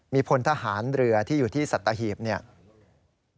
มีพลทหารเรือที่อยู่ที่สัตว์ตะหีบ